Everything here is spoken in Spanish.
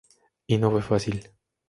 Y no fue fácil.